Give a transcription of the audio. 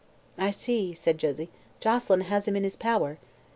"I see," said Josie. "Joselyn has him in his power."